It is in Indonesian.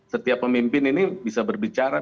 setiap pemimpin ini bisa berbicara